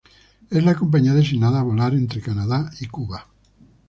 Es la compañía designada a volar entre Canadá y Cuba.